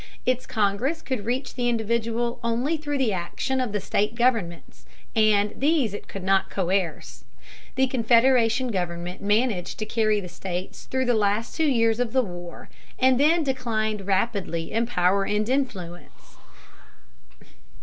Its congress could reach the individual only through the action of the state governments, and these it could not coerce. The Confederation government managed to carry the states through the last two years of the war, and then declined rapidly in power and influence.